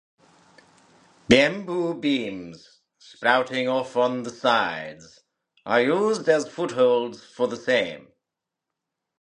Bamboo beams sprouting off on the sides are used as footholds for the same.